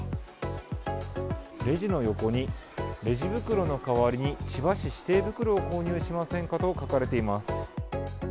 レジの横に、レジ袋の代わりに千葉市指定袋を購入しませんかと書かれています。